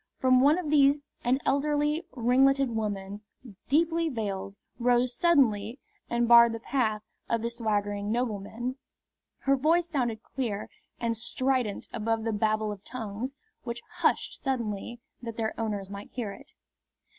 From one of these an elderly, ringleted woman, deeply veiled, rose suddenly and barred the path of the swaggering nobleman. Her voice sounded clear and strident above the babel of tongues, which hushed suddenly that their owners might hear it.